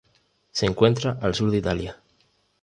Se encuentra al sur de Italia.